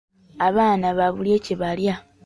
Abaana babulye kye balya!